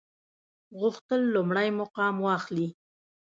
غوښتل لومړی مقام واخلي.